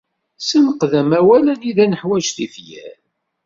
Senqed amawal anida neḥwaǧ tifyar.